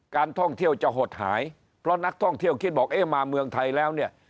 การท่องเที่ยวจะหดหายเพราะนักท่องเที่ยวคิดบอกเอ๊ะมาเมืองไทยแล้วเนี่ย